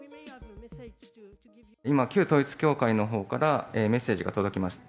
今、旧統一教会のほうから、メッセージが届きました。